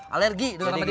alergi dong sama dia